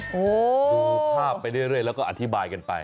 ดูภาพไปเรื่อยแล้วก็อธิบายกันไป